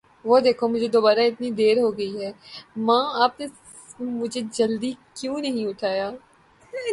وه دیکھو. مجهے دوباره اتنی دیر ہو گئی ہے! ماں، آپ نے مجھے جلدی کیوں نہیں اٹھایا!